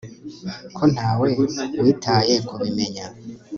ko ntawe witaye kubimenya